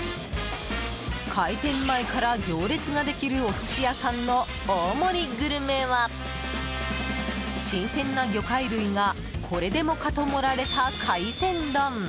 開店前から行列ができるお寿司屋さんの大盛りグルメは新鮮な魚介類がこれでもかと盛られた海鮮丼！